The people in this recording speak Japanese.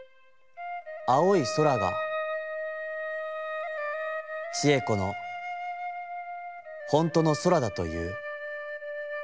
青い空が智恵子のほんとの空だといふ。